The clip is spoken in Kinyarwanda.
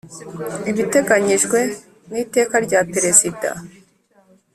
ibiteganyijwe mwi teka rya perezida